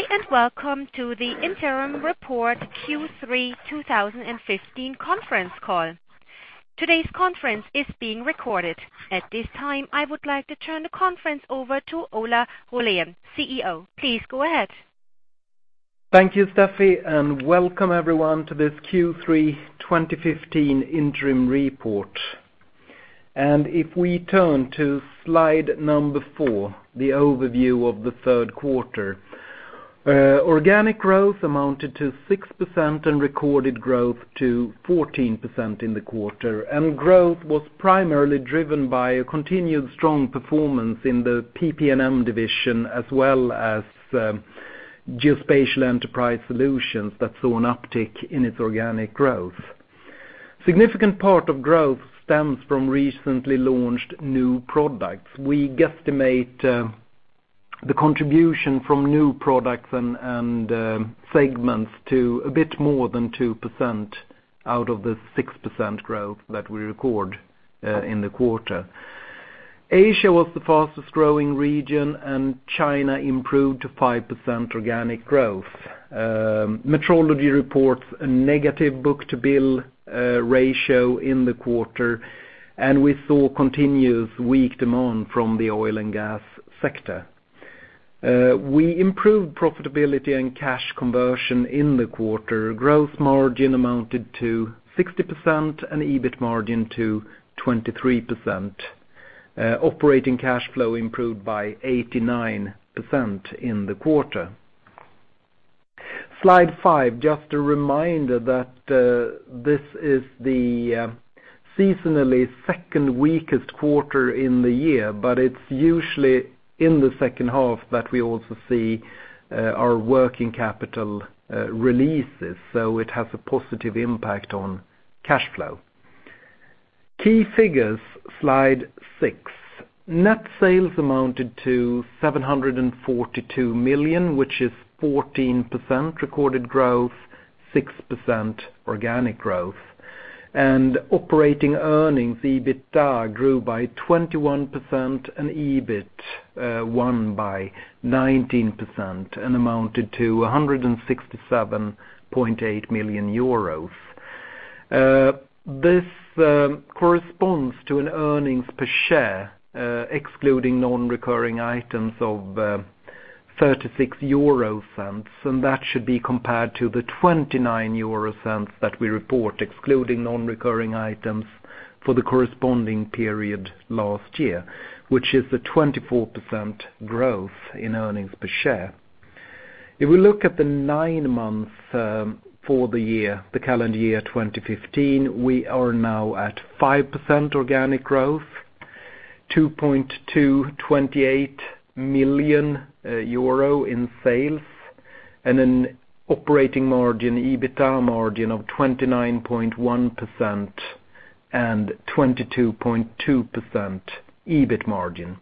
Good day, welcome to the interim report Q3 2015 conference call. Today's conference is being recorded. At this time, I would like to turn the conference over to Ola Rollén, CEO. Please go ahead. Thank you, Steffie, welcome everyone to this Q3 2015 interim report. If we turn to slide number four, the overview of the third quarter. Organic growth amounted to 6%, recorded growth to 14% in the quarter. Growth was primarily driven by a continued strong performance in the PP&M division, as well as Geospatial Enterprise Solutions that saw an uptick in its organic growth. Significant part of growth stems from recently launched new products. We guesstimate the contribution from new products and segments to a bit more than 2% out of the 6% growth that we record in the quarter. Asia was the fastest growing region. China improved to 5% organic growth. Metrology reports a negative book-to-bill ratio in the quarter. We saw continuous weak demand from the oil and gas sector. We improved profitability and cash conversion in the quarter. Growth margin amounted to 60%. EBIT margin to 23%. Operating cash flow improved by 89% in the quarter. Slide five, just a reminder that this is the seasonally second weakest quarter in the year. It is usually in the second half that we also see our working capital releases. It has a positive impact on cash flow. Key figures, slide six. Net sales amounted to 742 million, which is 14% recorded growth, 6% organic growth. Operating earnings, EBITDA, grew by 21%. EBIT won by 19% and amounted to 167.8 million euros. This corresponds to an earnings per share, excluding non-recurring items, of 0.36. That should be compared to the 0.29 that we report, excluding non-recurring items, for the corresponding period last year, which is a 24% growth in earnings per share. If we look at the nine months for the year, the calendar year 2015, we are now at 5% organic growth, 2.228 million euro in sales, an operating margin, EBITDA margin, of 29.1%, and 22.2% EBIT margin.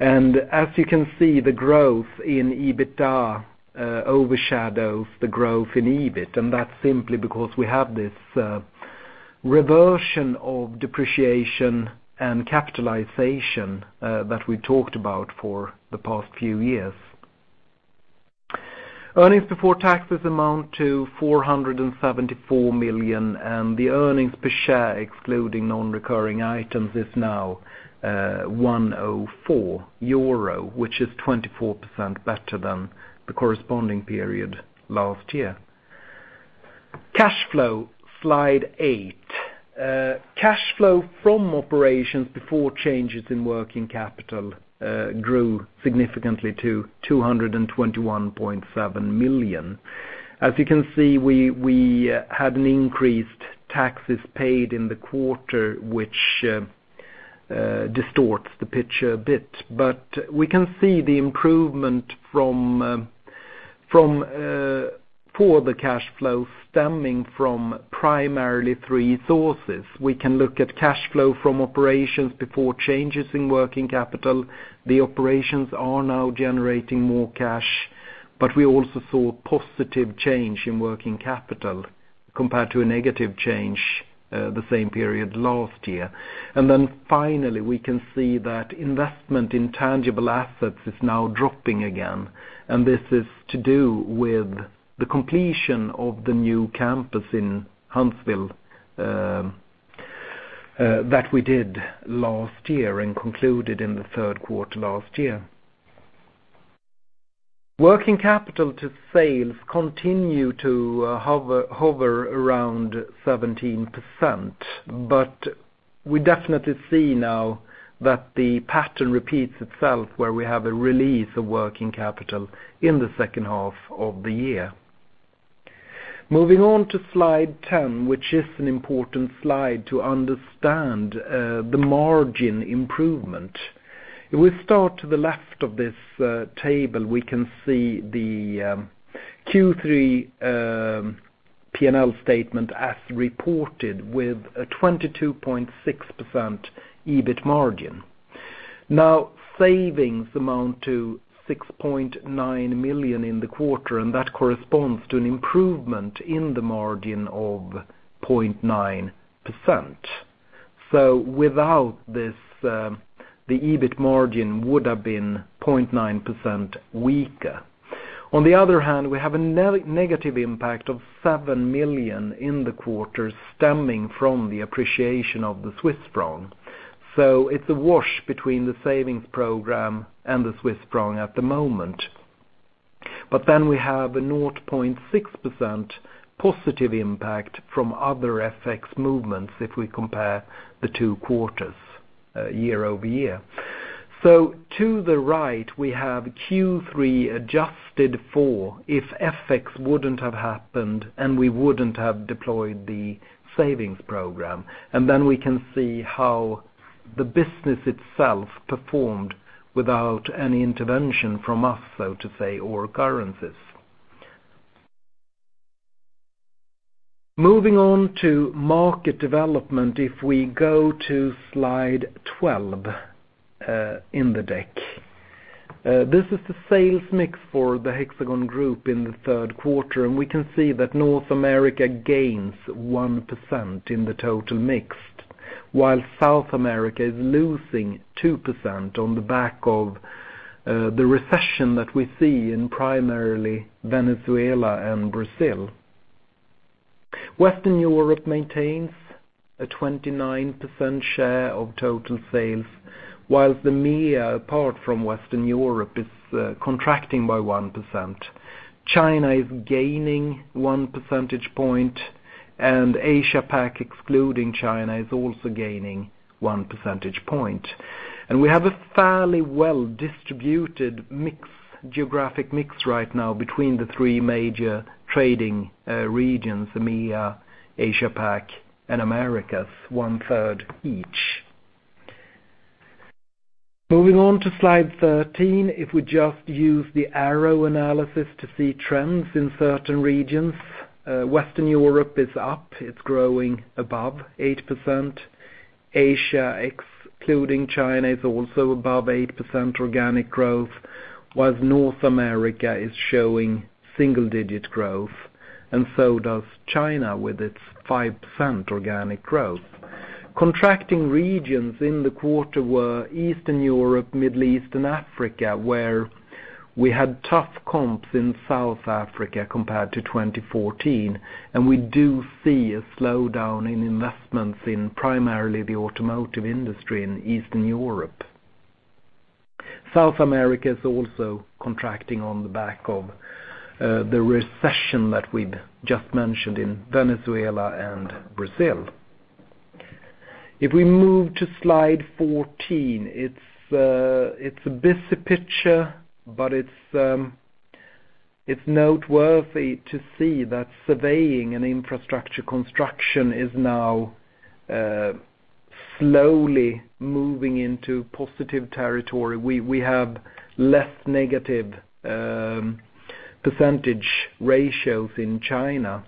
As you can see, the growth in EBITDA overshadows the growth in EBIT. That is simply because we have this reversion of depreciation and capitalization that we talked about for the past few years. Earnings before taxes amount to 474 million. The earnings per share, excluding non-recurring items, is now 1.04 euro, which is 24% better than the corresponding period last year. Cash flow, slide eight. Cash flow from operations before changes in working capital grew significantly to 221.7 million. As you can see, we had an increased taxes paid in the quarter which distorts the picture a bit. We can see the improvement for the cash flow stemming from primarily three sources. We can look at cash flow from operations before changes in working capital. The operations are now generating more cash, but we also saw a positive change in working capital compared to a negative change the same period last year. Finally, we can see that investment in tangible assets is now dropping again, and this is to do with the completion of the new campus in Huntsville that we did last year and concluded in the third quarter last year. Working capital to sales continue to hover around 17%, but we definitely see now that the pattern repeats itself where we have a release of working capital in the second half of the year. Moving on to slide 10, which is an important slide to understand the margin improvement. If we start to the left of this table, we can see the Q3 P&L statement as reported with a 22.6% EBIT margin. Now, savings amount to 6.9 million in the quarter, and that corresponds to an improvement in the margin of 0.9%. Without this, the EBIT margin would have been 0.9% weaker. On the other hand, we have a negative impact of 7 million in the quarter stemming from the appreciation of the Swiss franc. It's a wash between the savings program and the Swiss franc at the moment. We have a 0.6% positive impact from other FX movements if we compare the two quarters year-over-year. To the right, we have Q3 adjusted for if FX wouldn't have happened and we wouldn't have deployed the savings program, and we can see how the business itself performed without any intervention from us, so to say, or currencies. Moving on to market development. If we go to slide 12 in the deck. This is the sales mix for the Hexagon Group in the third quarter, and we can see that North America gains 1% in the total mix, while South America is losing 2% on the back of the recession that we see in primarily Venezuela and Brazil. Western Europe maintains a 29% share of total sales, whilst the MEA, apart from Western Europe, is contracting by 1%. China is gaining one percentage point, and Asia PAC, excluding China, is also gaining one percentage point. We have a fairly well-distributed geographic mix right now between the three major trading regions, MEA, Asia PAC, and Americas, one third each. Moving on to slide 13. If we just use the arrow analysis to see trends in certain regions, Western Europe is up. It's growing above 8%. Asia, excluding China, is also above 8% organic growth, while North America is showing single-digit growth, and so does China with its 5% organic growth. Contracting regions in the quarter were Eastern Europe, Middle East, and Africa, where we had tough comps in South Africa compared to 2014. We do see a slowdown in investments in primarily the automotive industry in Eastern Europe. South America is also contracting on the back of the recession that we just mentioned in Venezuela and Brazil. Moving to slide 14, it's a busy picture, but it's noteworthy to see that surveying and infrastructure construction is now slowly moving into positive territory. We have less negative % ratios in China.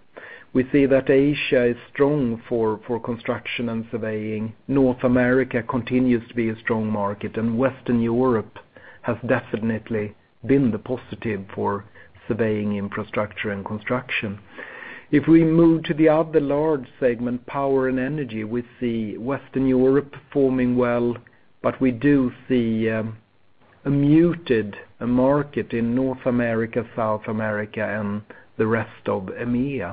We see that Asia is strong for construction and surveying. North America continues to be a strong market, and Western Europe has definitely been the positive for surveying infrastructure and construction. Moving to the other large segment, power and energy, we see Western Europe performing well, but we do see a muted market in North America, South America, and the rest of MEA.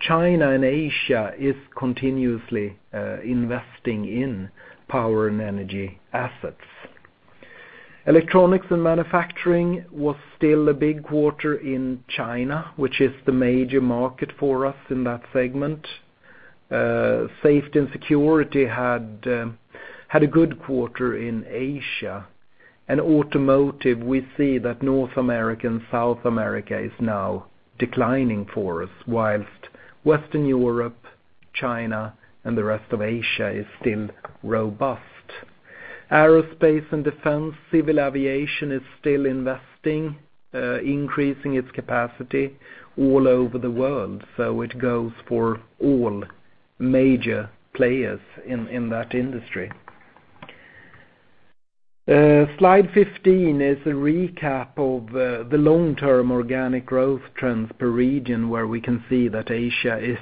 China and Asia is continuously investing in power and energy assets. Electronics and manufacturing was still a big quarter in China, which is the major market for us in that segment. Safety and Security had a good quarter in Asia. Automotive, we see that North America and South America is now declining for us, Western Europe, China, and the rest of Asia is still robust. Aerospace and Defense, civil aviation is still investing, increasing its capacity all over the world, so it goes for all major players in that industry. Slide 15 is a recap of the long-term organic growth trends per region, where we can see that Asia is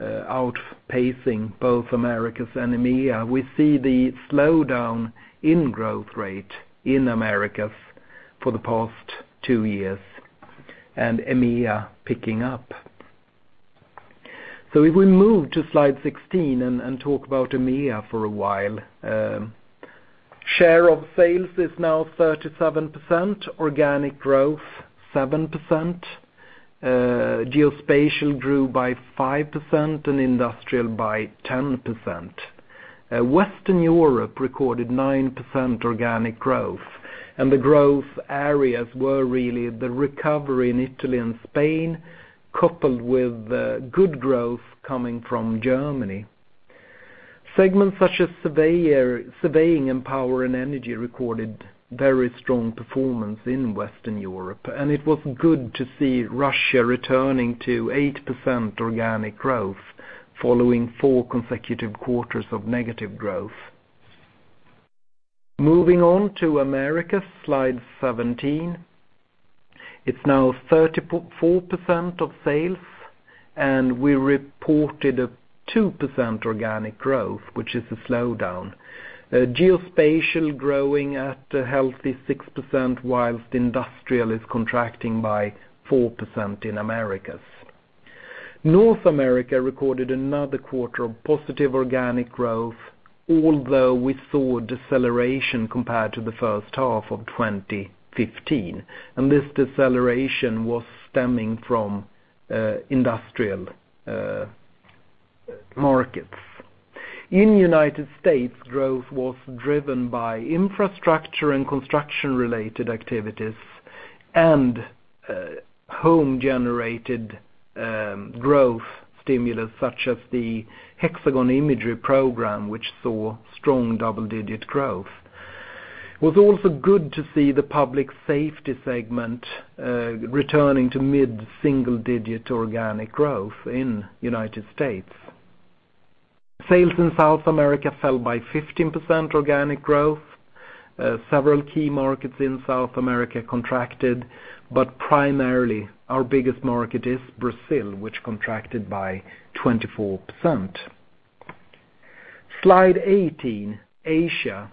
outpacing both Americas and MEA. We see the slowdown in growth rate in Americas for the past two years, and MEA picking up. Moving to slide 16 and talk about MEA for a while. Share of sales is now 37%, organic growth 7%, Geospatial grew by 5%, and Industrial by 10%. Western Europe recorded 9% organic growth. The growth areas were really the recovery in Italy and Spain, coupled with good growth coming from Germany. Segments such as surveying and power and energy recorded very strong performance in Western Europe, and it was good to see Russia returning to 8% organic growth following four consecutive quarters of negative growth. Moving on to Americas, slide 17. It's now 34% of sales, and we reported a 2% organic growth, which is a slowdown. Geospatial growing at a healthy 6%, Industrial is contracting by 4% in Americas. North America recorded another quarter of positive organic growth, although we saw a deceleration compared to the first half of 2015. This deceleration was stemming from industrial markets. In the U.S., growth was driven by infrastructure and construction-related activities and home-generated growth stimulus, such as the Hexagon Imagery Program, which saw strong double-digit growth. It was also good to see the public safety segment returning to mid-single-digit organic growth in the U.S. Sales in South America fell by 15% organic growth. Several key markets in South America contracted, but primarily our biggest market is Brazil, which contracted by 24%. Slide 18, Asia.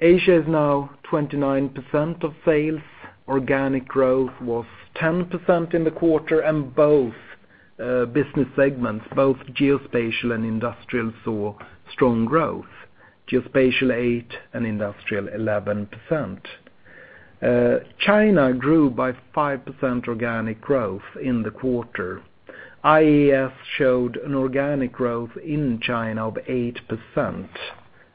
Asia is now 29% of sales. Organic growth was 10% in the quarter. Both business segments, both Geospatial and Industrial, saw strong growth, Geospatial 8% and Industrial 11%. China grew by 5% organic growth in the quarter. IES showed an organic growth in China of 8%,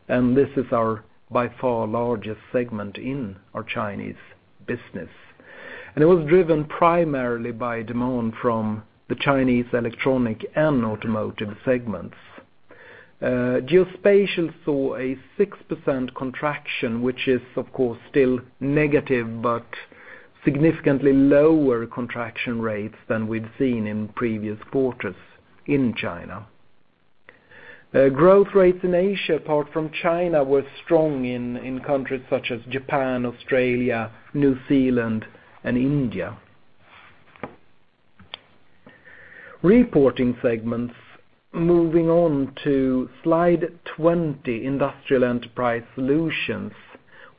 and this is our, by far, largest segment in our Chinese business. It was driven primarily by demand from the Chinese electronic and automotive segments. Geospatial saw a 6% contraction, which is, of course, still negative, but significantly lower contraction rates than we'd seen in previous quarters in China. Growth rates in Asia, apart from China, were strong in countries such as Japan, Australia, New Zealand, and India. Reporting segments, moving on to slide 20, Industrial Enterprise Solutions.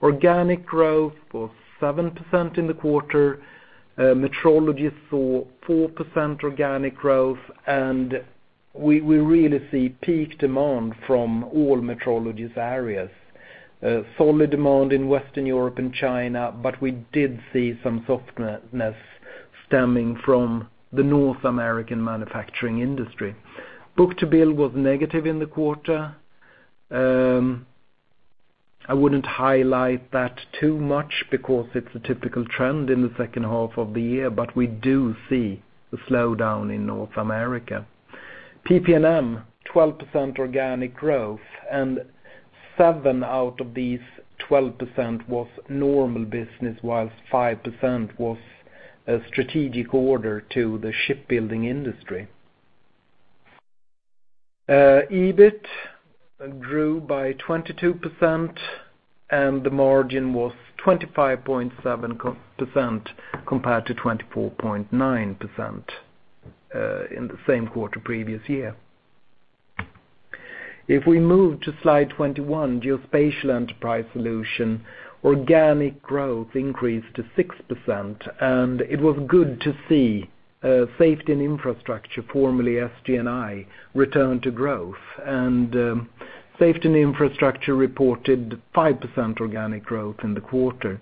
Organic growth was 7% in the quarter. Metrology saw 4% organic growth, and we really see peak demand from all metrology areas. Solid demand in Western Europe and China, but we did see some softness stemming from the North American manufacturing industry. book-to-bill was negative in the quarter. I wouldn't highlight that too much because it's a typical trend in the second half of the year, but we do see a slowdown in North America. PP&M, 12% organic growth, and seven out of these 12% was normal business, whilst 5% was a strategic order to the shipbuilding industry. EBIT grew by 22%, and the margin was 25.7% compared to 24.9% in the same quarter previous year. If we move to slide 21, Geospatial Enterprise Solutions, organic growth increased to 6%. It was good to see Safety & Infrastructure, formerly SG&I, return to growth. Safety & Infrastructure reported 5% organic growth in the quarter.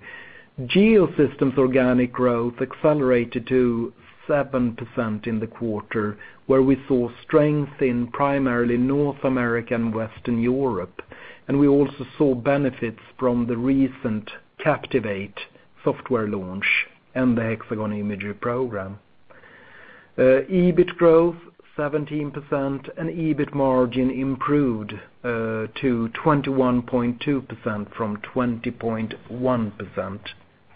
Geosystems organic growth accelerated to 7% in the quarter, where we saw strength in primarily North America and Western Europe. We also saw benefits from the recent Captivate software launch and the Hexagon Imagery Program. EBIT growth 17%. EBIT margin improved to 21.2% from 20.1%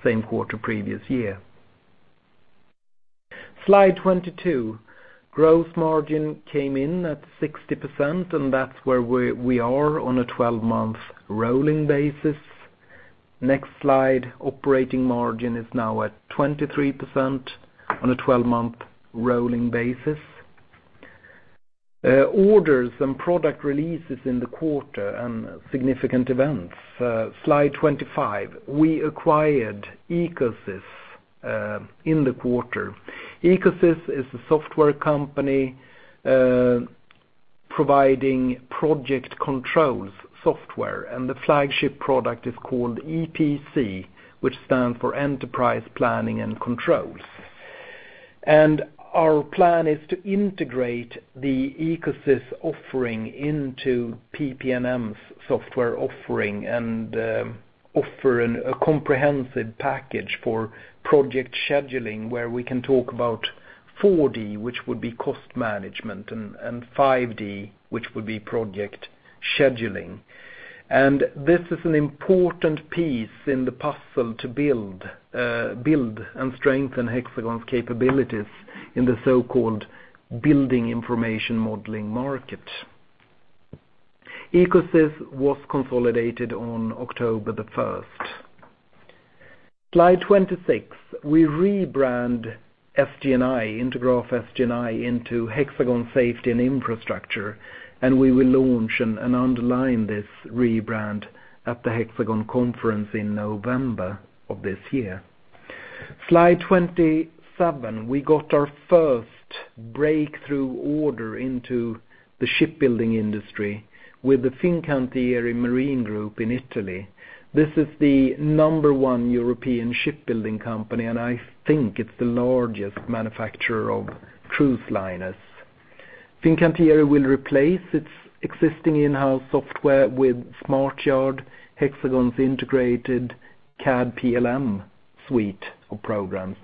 same quarter previous year. Slide 22. Gross margin came in at 60%. That's where we are on a 12-month rolling basis. Next slide, operating margin is now at 23% on a 12-month rolling basis. Orders and product releases in the quarter and significant events, slide 25. We acquired EcoSys in the quarter. EcoSys is a software company providing project controls software, and the flagship product is called EPC, which stands for Enterprise Planning and Controls. Our plan is to integrate the EcoSys offering into PP&M's software offering and offer a comprehensive package for project scheduling where we can talk about 4D, which would be cost management, and 5D, which would be project scheduling. This is an important piece in the puzzle to build and strengthen Hexagon's capabilities in the so-called building information modeling market. EcoSys was consolidated on October 1st. Slide 26. We rebrand SG&I, Intergraph SG&I, into Hexagon Safety & Infrastructure. We will launch and underline this rebrand at the Hexagon conference in November of this year. Slide 27. We got our first breakthrough order into the shipbuilding industry with the Fincantieri Marine Group in Italy. This is the number 1 European shipbuilding company. I think it's the largest manufacturer of cruise liners. Fincantieri will replace its existing in-house software with SmartYard, Hexagon's integrated CAD PLM suite of programs.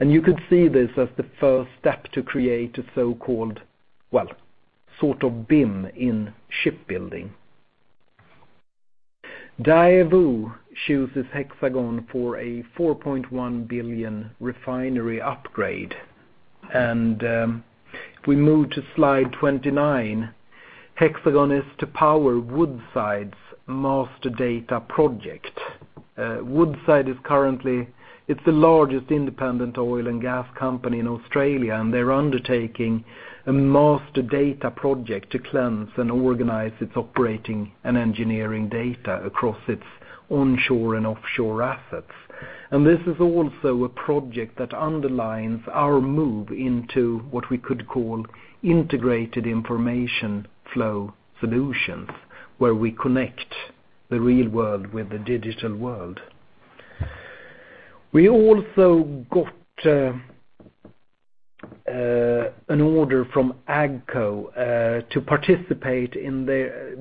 You could see this as the first step to create a so-called, sort of BIM in shipbuilding. Daewoo chooses Hexagon for a $4.1 billion refinery upgrade. If we move to slide 29, Hexagon is to power Woodside's master data project. Woodside is the largest independent oil and gas company in Australia, and they're undertaking a master data project to cleanse and organize its operating and engineering data across its onshore and offshore assets. This is also a project that underlines our move into what we could call integrated information flow solutions, where we connect the real world with the digital world. We also got an order from AGCO to participate in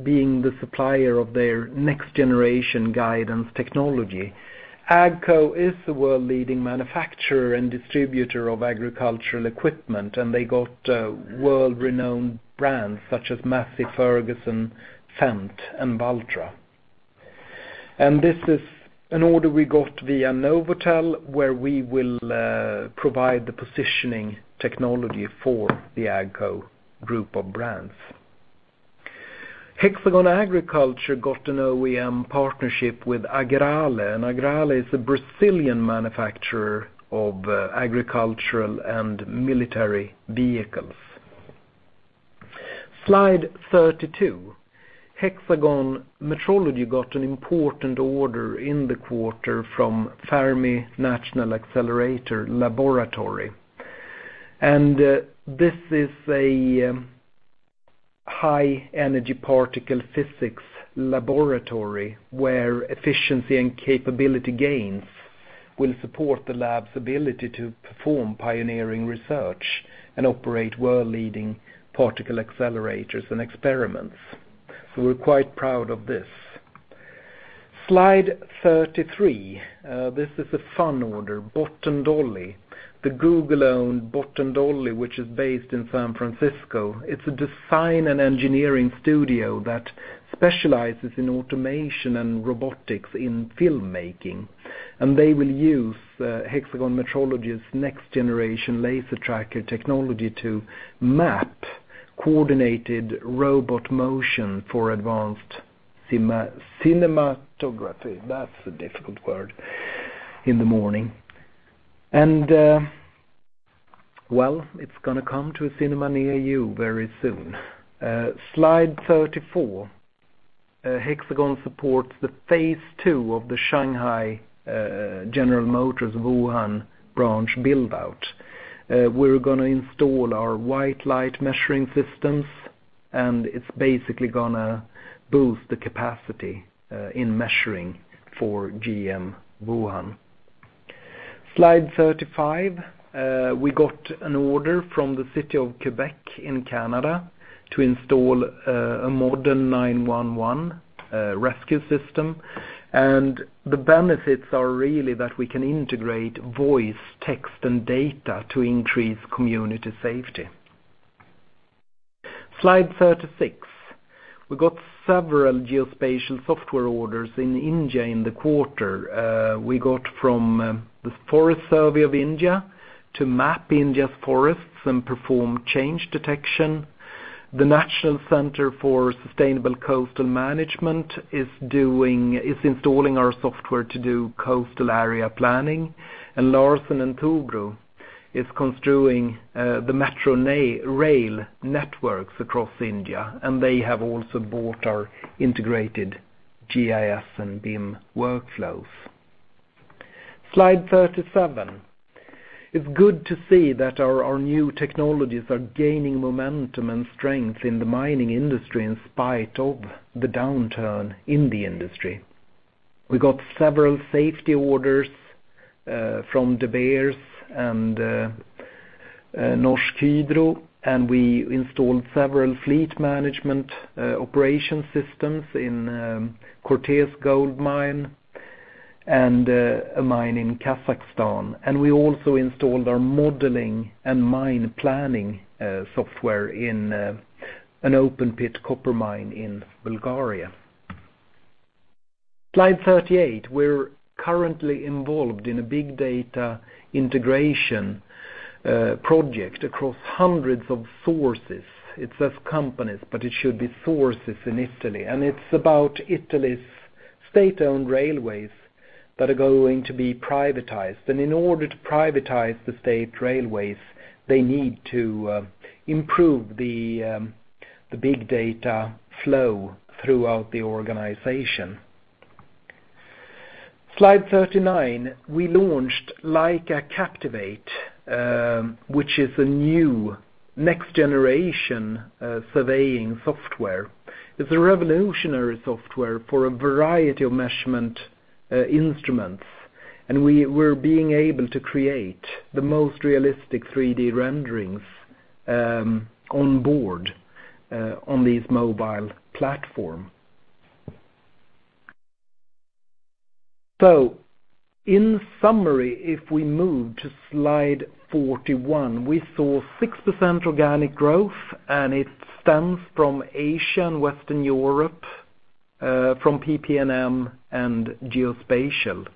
being the supplier of their next-generation guidance technology. AGCO is the world leading manufacturer and distributor of agricultural equipment, and they got world-renowned brands such as Massey Ferguson, Fendt, and Valtra. This is an order we got via NovAtel, where we will provide the positioning technology for the AGCO group of brands. Hexagon Agriculture got an OEM partnership with Agrale. Agrale is a Brazilian manufacturer of agricultural and military vehicles. Slide 32. Hexagon Metrology got an important order in the quarter from Fermi National Accelerator Laboratory. This is a high-energy particle physics laboratory where efficiency and capability gains will support the lab's ability to perform pioneering research and operate world-leading particle accelerators and experiments. We're quite proud of this. Slide 33. This is a fun order, Bot & Dolly. The Google-owned Bot & Dolly, which is based in San Francisco. It's a design and engineering studio that specializes in automation and robotics in filmmaking. They will use Hexagon Metrology's next-generation laser tracker technology to map coordinated robot motion for advanced cinematography. That's a difficult word in the morning. Well, it's going to come to a cinema near you very soon. Slide 34. Hexagon supports the phase 2 of the Shanghai General Motors Wuhan branch build-out. We're going to install our white light measuring systems, and it's basically going to boost the capacity in measuring for GM Wuhan. Slide 35. We got an order from the city of Quebec in Canada to install a modern 911 rescue system, and the benefits are really that we can integrate voice, text, and data to increase community safety. Slide 36. We got several geospatial software orders in India in the quarter. We got from the Forest Survey of India to map India's forests and perform change detection. The National Centre for Sustainable Coastal Management is installing our software to do coastal area planning, and Larsen & Toubro is construing the metro rail networks across India, and they have also bought our integrated GIS and BIM workflows. Slide 37. It's good to see that our new technologies are gaining momentum and strength in the mining industry in spite of the downturn in the industry. We got several safety orders from De Beers and Norsk Hydro, and we installed several fleet management operation systems in Cortez Gold Mine and a mine in Kazakhstan. We also installed our modeling and mine planning software in an open pit copper mine in Bulgaria. Slide 38. We're currently involved in a big data integration project across hundreds of sources. It says companies, but it should be sources in Italy, and it's about Italy's state-owned railways that are going to be privatized. In order to privatize the state railways, they need to improve the big data flow throughout the organization. Slide 39. We launched Leica Captivate, which is a new next-generation surveying software. It's a revolutionary software for a variety of measurement instruments, and we're being able to create the most realistic 3D renderings on board on these mobile platforms. In summary, if we move to slide 41, we saw 6% organic growth, and it stems from Asia and Western Europe, from PP&M and Geospatial.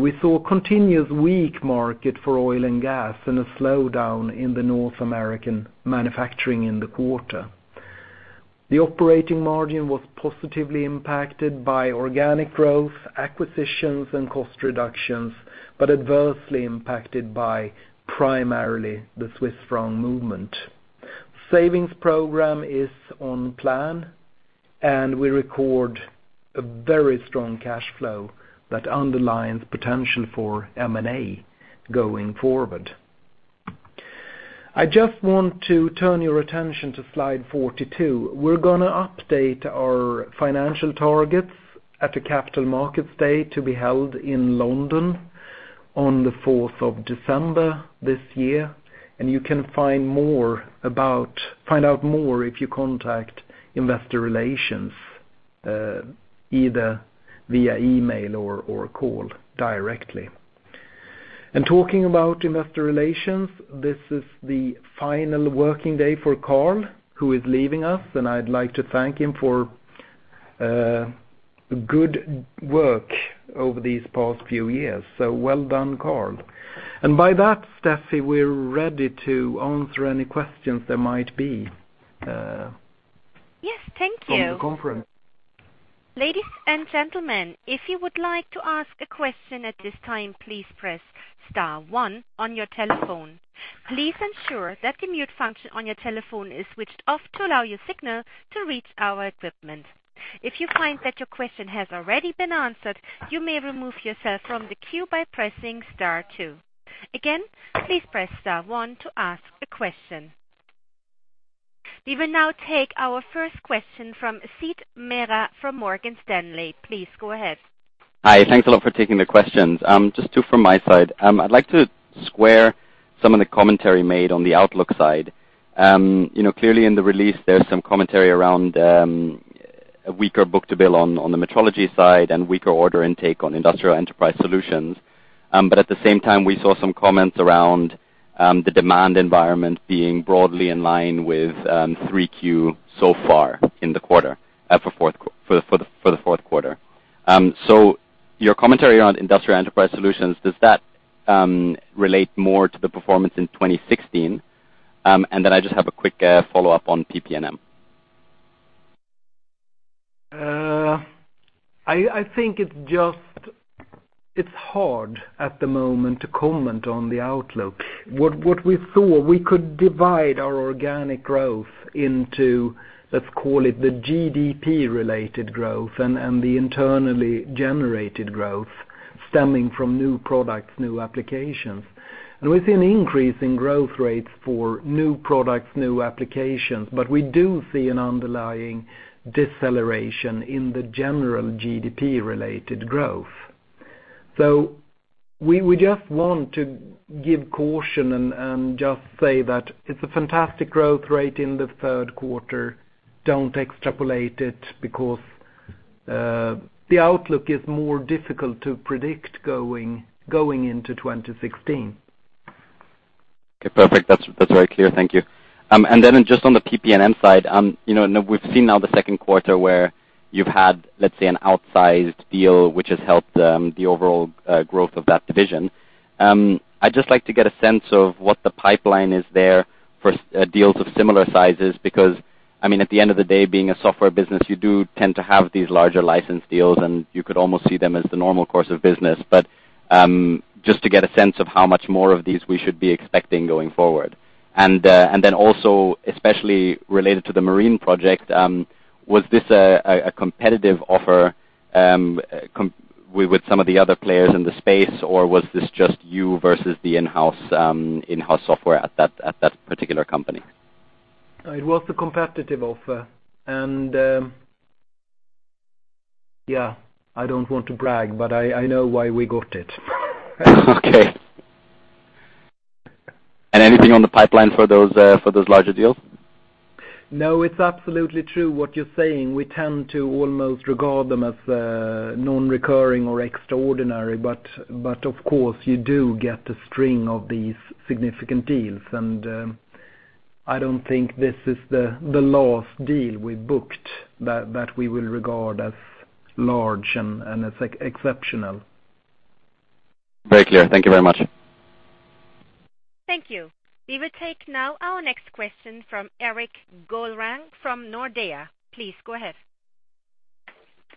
We saw continuous weak market for oil and gas and a slowdown in the North American manufacturing in the quarter. The operating margin was positively impacted by organic growth, acquisitions, and cost reductions, but adversely impacted by primarily the Swiss franc movement. Savings program is on plan. We record a very strong cash flow that underlines potential for M&A going forward. I just want to turn your attention to slide 42. We are going to update our financial targets at the capital market day to be held in London on the 4th of December this year. You can find out more if you contact investor relations, either via email or call directly. Talking about investor relations, this is the final working day for Carl, who is leaving us, and I would like to thank him for good work over these past few years. Well done, Carl. By that, Steffie, we are ready to answer any questions there might be- Yes, thank you from the conference. Ladies and gentlemen, if you would like to ask a question at this time, please press star 1 on your telephone. Please ensure that the mute function on your telephone is switched off to allow your signal to reach our equipment. If you find that your question has already been answered, you may remove yourself from the queue by pressing star 2. Again, please press star 1 to ask a question. We will now take our first question from Sven Merkt from Morgan Stanley. Please go ahead. Hi. Thanks a lot for taking the questions. Just two from my side. I'd like to square some of the commentary made on the outlook side. Clearly in the release, there's some commentary around a weaker book-to-bill on the Metrology side and weaker order intake on Industrial Enterprise Solutions. At the same time, we saw some comments around the demand environment being broadly in line with 3Q so far for the fourth quarter. Your commentary around Industrial Enterprise Solutions, does that relate more to the performance in 2016? I just have a quick follow-up on PP&M. I think it's hard at the moment to comment on the outlook. What we saw, we could divide our organic growth into, let's call it the GDP-related growth and the internally generated growth stemming from new products, new applications. We see an increase in growth rates for new products, new applications, we do see an underlying deceleration in the general GDP-related growth. We just want to give caution and just say that it's a fantastic growth rate in the third quarter. Don't extrapolate it because the outlook is more difficult to predict going into 2016. Okay, perfect. That's very clear. Thank you. Just on the PP&M side, we've seen now the second quarter where you've had, let's say, an outsized deal which has helped the overall growth of that division. I'd just like to get a sense of what the pipeline is there for deals of similar sizes, because at the end of the day, being a software business, you do tend to have these larger license deals, and you could almost see them as the normal course of business. Just to get a sense of how much more of these we should be expecting going forward. Also, especially related to the marine project, was this a competitive offer with some of the other players in the space, or was this just you versus the in-house software at that particular company? It was the competitive offer. Yeah, I don't want to brag, I know why we got it. Okay. Anything on the pipeline for those larger deals? No, it's absolutely true what you're saying. We tend to almost regard them as non-recurring or extraordinary. Of course, you do get a string of these significant deals. I don't think this is the last deal we booked that we will regard as large and as exceptional. Very clear. Thank you very much. Thank you. We will take now our next question from Erik Golrang from Nordea. Please go ahead.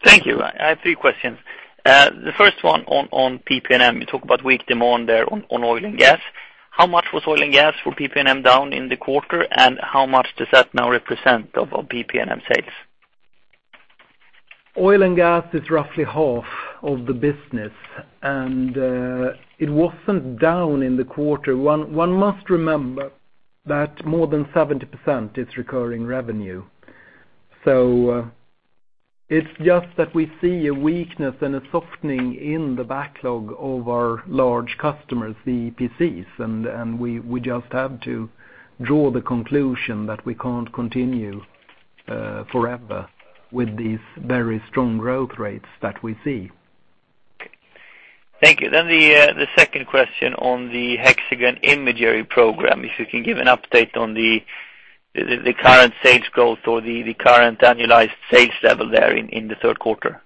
Thank you. I have three questions. The first one on PP&M, you talk about weak demand there on oil and gas. How much was oil and gas for PP&M down in the quarter, and how much does that now represent of PP&M sales? Oil and gas is roughly half of the business. It wasn't down in the quarter. One must remember that more than 70% is recurring revenue. It's just that we see a weakness and a softening in the backlog of our large customers, the EPCs. We just have to draw the conclusion that we can't continue forever with these very strong growth rates that we see. Okay. Thank you. The second question on the Hexagon Imagery Program, if you can give an update on the current sales growth or the current annualized sales level there in the third quarter.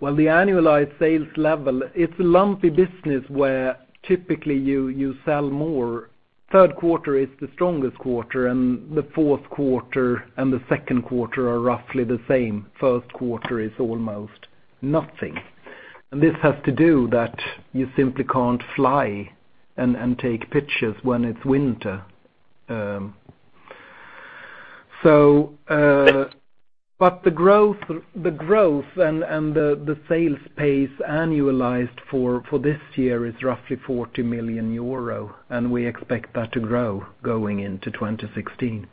Well, the annualized sales level, it's a lumpy business where typically you sell more. Third quarter is the strongest quarter. The fourth quarter and the second quarter are roughly the same. First quarter is almost nothing. This has to do that you simply can't fly and take pictures when it's winter. The growth and the sales pace annualized for this year is roughly 40 million euro. We expect that to grow going into 2016.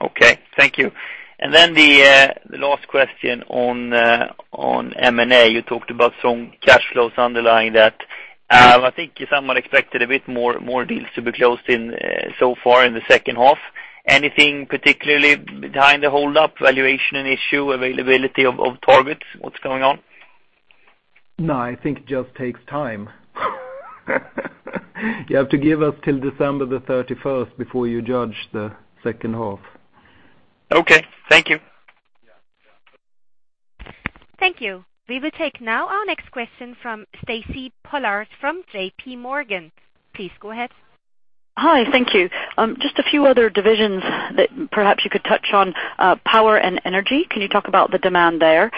Okay, thank you. The last question on M&A, you talked about some cash flows underlying that. I think if someone expected a bit more deals to be closed in so far in the second half, anything particularly behind the hold-up valuation and issue availability of targets? What's going on? No, I think it just takes time. You have to give us till December the 31st before you judge the second half. Okay, thank you. Thank you. We will take now our next question from Stacy Pollard from J.P. Morgan. Please go ahead. Hi, thank you. Just a few other divisions that perhaps you could touch on, power and energy. Can you talk about the demand there?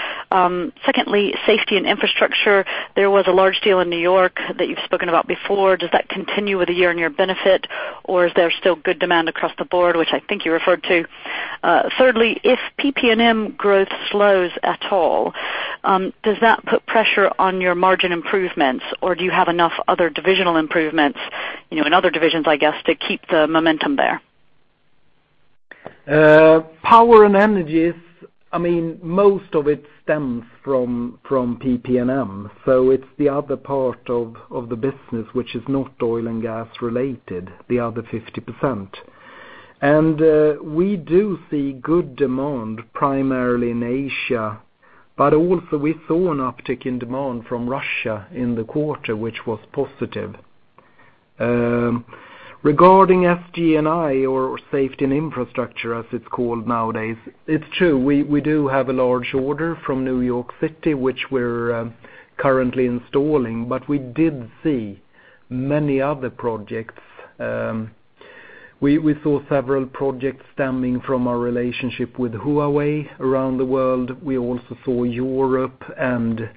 Secondly, Safety & Infrastructure. There was a large deal in New York that you've spoken about before. Does that continue with a year in your benefit, or is there still good demand across the board, which I think I referred to? Thirdly, if PP&M growth slows at all, does that put pressure on your margin improvements, or do you have enough other divisional improvements, in other divisions, I guess, to keep the momentum there? Power and energy, most of it stems from PP&M. It's the other part of the business which is not oil and gas-related, the other 50%. We do see good demand, primarily in Asia, but also we saw an uptick in demand from Russia in the quarter, which was positive. Regarding SG&I or Safety & Infrastructure, as it's called nowadays, it's true, we do have a large order from New York City, which we're currently installing. We did see many other projects. We saw several projects stemming from our relationship with Huawei around the world. We also saw Europe and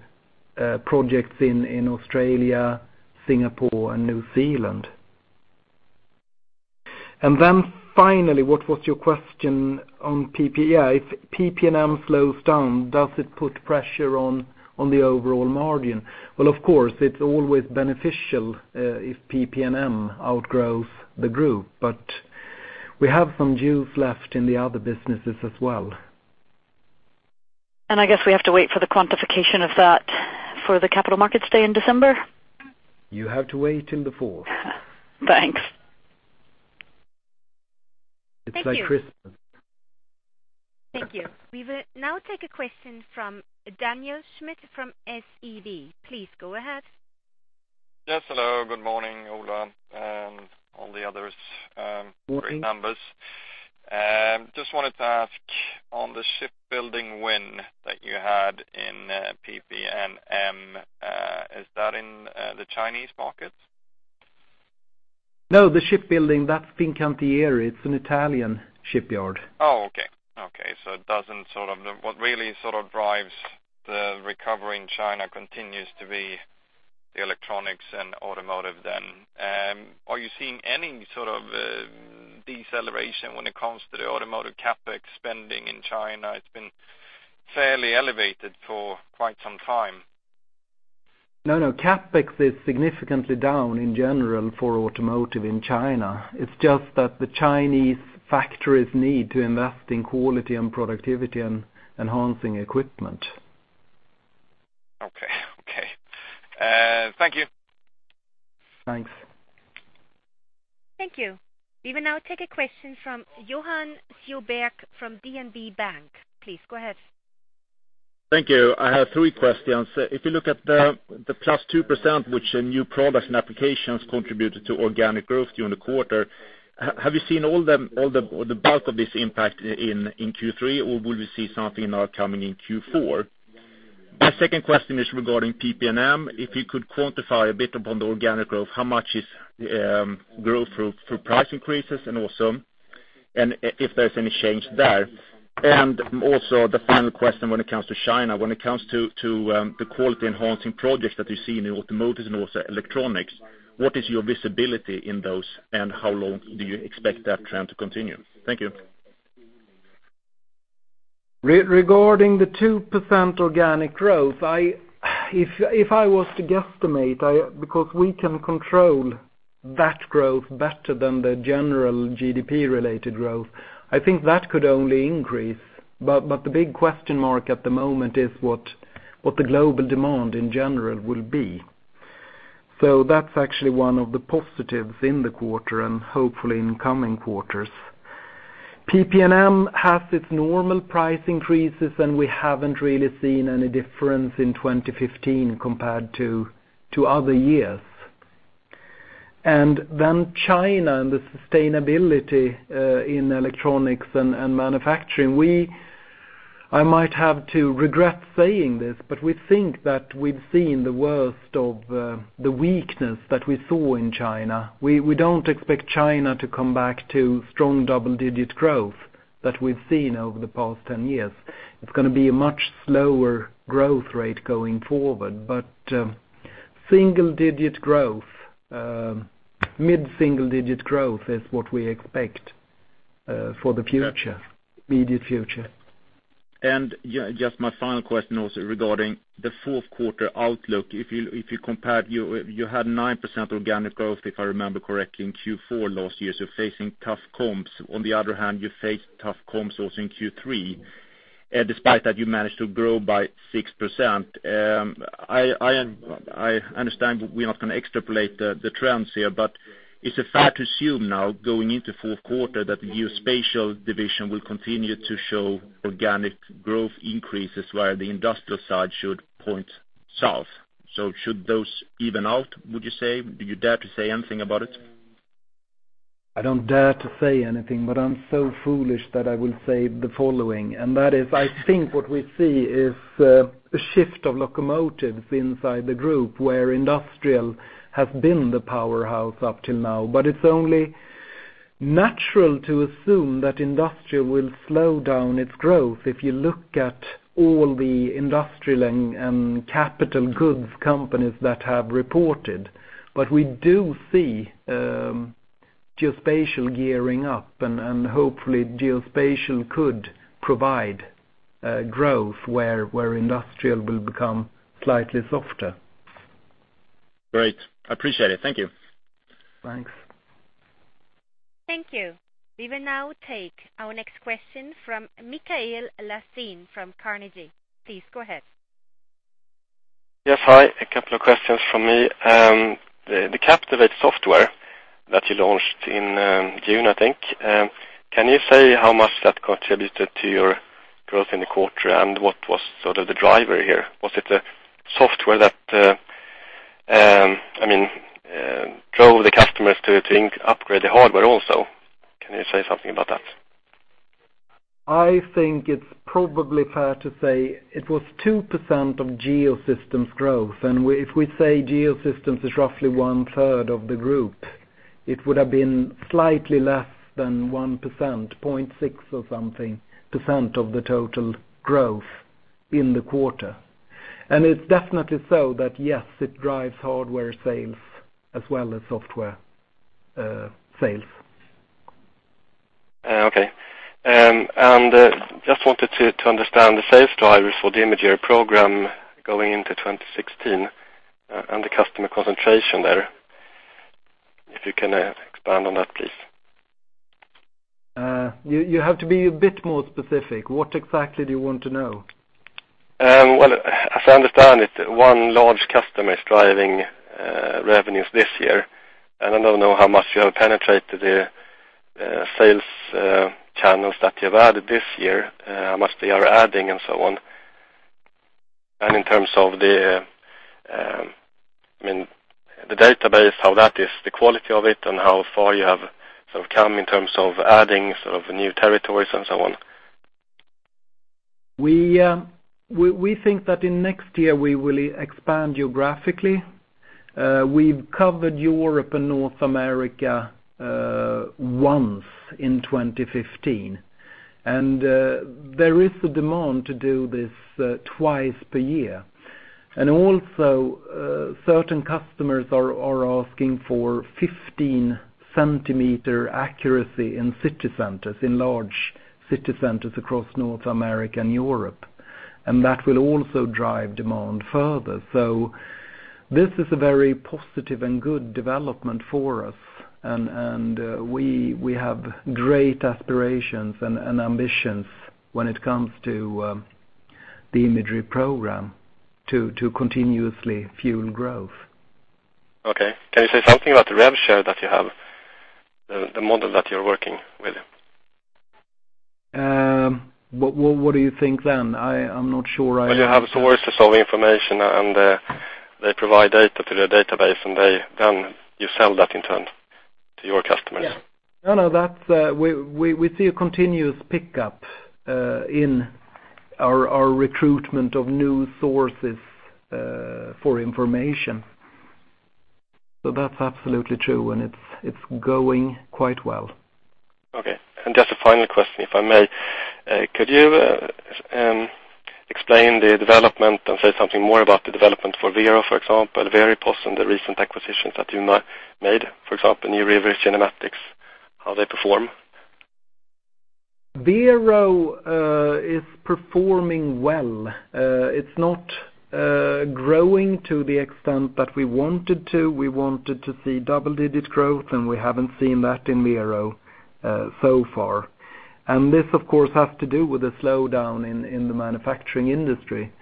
projects in Australia, Singapore and New Zealand. Finally, what was your question on PP? If PP&M slows down, does it put pressure on the overall margin? Well, of course, it's always beneficial if PP&M outgrows the group, but we have some juice left in the other businesses as well. I guess we have to wait for the quantification of that for the capital markets day in December? You have to wait in the fourth. Thanks. It's like Christmas. Thank you. We will now take a question from Daniel Djurberg from SEB. Please go ahead. Yes, hello. Good morning, Ola, and all the others. Morning. Great numbers. Just wanted to ask on the shipbuilding win that you had in PP&M, is that in the Chinese market? No, the shipbuilding, that's Fincantieri. It's an Italian shipyard. Okay. What really sort of drives the recovery in China continues to be the electronics and automotive then. Are you seeing any sort of deceleration when it comes to the automotive CapEx spending in China? It's been fairly elevated for quite some time. No, CapEx is significantly down in general for automotive in China. It's just that the Chinese factories need to invest in quality and productivity and enhancing equipment. Okay. Thank you. Thanks. Thank you. We will now take a question from Johan Sjöberg from DNB Bank. Please go ahead. Thank you. I have three questions. If you look at the +2%, which new products and applications contributed to organic growth during the quarter, have you seen all the bulk of this impact in Q3, or will we see something now coming in Q4? My second question is regarding PP&M. If you could quantify a bit upon the organic growth, how much is growth through price increases and also if there's any change there? The final question when it comes to China, when it comes to the quality enhancing projects that you see in the automotives and also electronics, what is your visibility in those and how long do you expect that trend to continue? Thank you. Regarding the 2% organic growth, if I was to guesstimate, because we can control that growth better than the general GDP-related growth, I think that could only increase. The big question mark at the moment is what the global demand in general will be. That's actually one of the positives in the quarter and hopefully in coming quarters. PP&M has its normal price increases, and we haven't really seen any difference in 2015 compared to other years. Then China and the sustainability in electronics and manufacturing, I might have to regret saying this, but we think that we've seen the worst of the weakness that we saw in China. We don't expect China to come back to strong double-digit growth that we've seen over the past 10 years. It's going to be a much slower growth rate going forward. mid-single-digit growth is what we expect for the immediate future. Just my final question also regarding the fourth quarter outlook. If you compare, you had 9% organic growth, if I remember correctly, in Q4 last year, facing tough comps. On the other hand, you faced tough comps also in Q3. Despite that, you managed to grow by 6%. I understand we are not going to extrapolate the trends here, but is it fair to assume now going into fourth quarter that the geospatial division will continue to show organic growth increases while the industrial side should point south? Should those even out, would you say? Do you dare to say anything about it? I don't dare to say anything, but I'm so foolish that I will say the following, and that is, I think what we see is a shift of locomotives inside the group where industrial has been the powerhouse up till now, but it's only natural to assume that industrial will slow down its growth if you look at all the industrial and capital goods companies that have reported. We do see geospatial gearing up, and hopefully geospatial could provide growth where industrial will become slightly softer. Great. I appreciate it. Thank you. Thanks. Thank you. We will now take our next question from Mikael Laséen from Carnegie. Please go ahead. Yes, hi. A couple of questions from me. The Captivate software that you launched in June, I think, can you say how much that contributed to your growth in the quarter and what was sort of the driver here? Was it the software that drove the customers to upgrade the hardware also? Can you say something about that? I think it's probably fair to say it was 2% of Geosystems growth. If we say Geosystems is roughly one-third of the group, it would have been slightly less than 1%, 0.6 or something % of the total growth in the quarter. It's definitely so that, yes, it drives hardware sales as well as software sales. Okay. Just wanted to understand the sales drivers for the Imagery Program going into 2016 and the customer concentration there. If you can expand on that, please. You have to be a bit more specific. What exactly do you want to know? Well, as I understand it, one large customer is driving revenues this year. I don't know how much you have penetrated the sales channels that you have added this year, how much they are adding and so on. In terms of the database, how that is, the quality of it, and how far you have come in terms of adding new territories and so on. We think that in next year we will expand geographically. We've covered Europe and North America once in 2015. There is a demand to do this twice per year. Also, certain customers are asking for 15-centimeter accuracy in large city centers across North America and Europe. That will also drive demand further. This is a very positive and good development for us. We have great aspirations and ambitions when it comes to the Imagery Program to continuously fuel growth. Okay. Can you say something about the rev share that you have, the model that you're working with? What do you think then? I'm not sure. When you have sources of information, and they provide data to their database, and then you sell that in turn to your customers. Yes. No, we see a continuous pickup in our recruitment of new sources for information. That's absolutely true, and it's going quite well. Okay, just a final question, if I may. Could you explain the development and say something more about the development for Vero, for example, Veripos, and the recent acquisitions that you made, for example, New River Kinematics, how they perform? Vero is performing well. It's not growing to the extent that we want it to. We wanted to see double-digit growth, and we haven't seen that in Vero so far. This, of course, has to do with the slowdown in the manufacturing industry.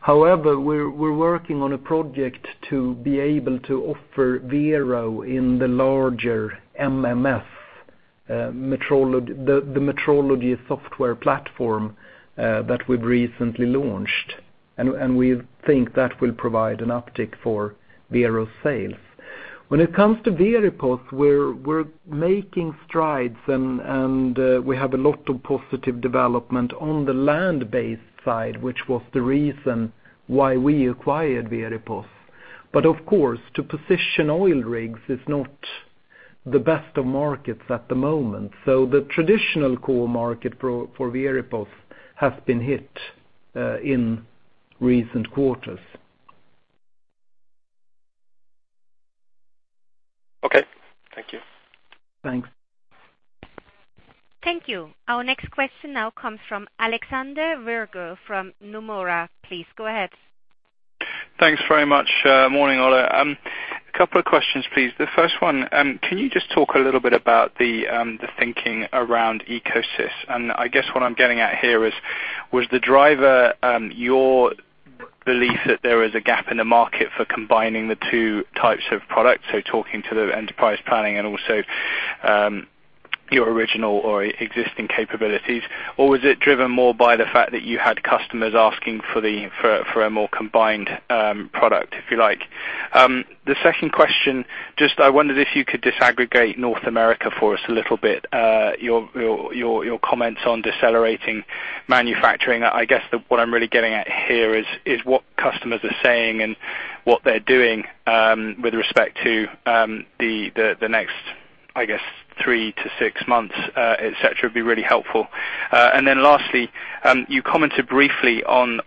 However, we're working on a project to be able to offer Vero in the larger MMS, the metrology software platform that we've recently launched. We think that will provide an uptick for Vero sales. When it comes to Veripos, we're making strides, and we have a lot of positive development on the land-based side, which was the reason why we acquired Veripos. Of course, to position oil rigs is not the best of markets at the moment. The traditional core market for Veripos has been hit in recent quarters. Okay. Thank you. Thanks. Thank you. Our next question now comes from Alexander Virgo from Nomura. Please go ahead. Thanks very much. Morning, all. A couple of questions, please. The first one, can you just talk a little bit about the thinking around EcoSys? I guess what I'm getting at here is, was the driver your belief that there was a gap in the market for combining the two types of products, so talking to the Enterprise Planning and also your original or existing capabilities? Was it driven more by the fact that you had customers asking for a more combined product, if you like? The second question, just I wondered if you could disaggregate North America for us a little bit, your comments on decelerating manufacturing. I guess that what I'm really getting at here is what customers are saying and what they're doing, with respect to the next, I guess, three to six months, et cetera, would be really helpful. Lastly, you commented briefly on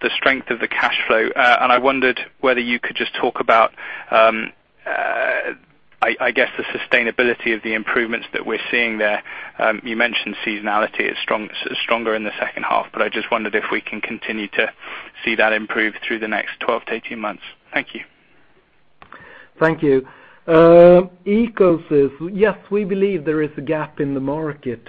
the strength of the cash flow. I wondered whether you could just talk about, I guess, the sustainability of the improvements that we're seeing there. You mentioned seasonality is stronger in the second half, I just wondered if we can continue to see that improve through the next 12 to 18 months. Thank you. Thank you. EcoSys, yes, we believe there is a gap in the market,